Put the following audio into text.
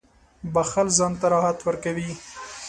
• بښل ځان ته راحت ورکوي.